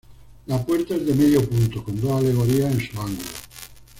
La puerta es de medio punto con dos alegorías en sus ángulos.